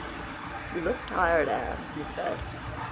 "You look tired, Anne," he said.